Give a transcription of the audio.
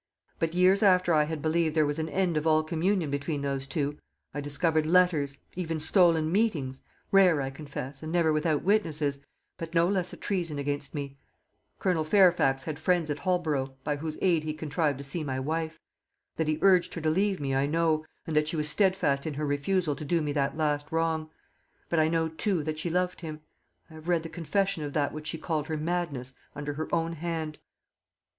But years after I had believed there was an end of all communion between those two, I discovered letters, even stolen meetings rare, I confess, and never without witnesses, but no less a treason against me. Colonel Fairfax had friends at Holborough, by whose aid he contrived to see my wife. That he urged her to leave me, I know, and that she was steadfast in her refusal to do me that last wrong. But I know too that she loved him. I have read the confession of that which she called her 'madness' under her own hand."